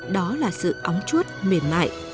đó là sự óng chuốt mềm mại